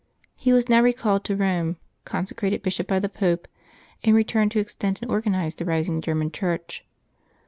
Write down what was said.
He was now recalled to Rome, conse crated Bishop by the Pope, and returned to extend and organize the rising German Church.